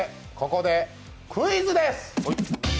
ここでクイズです。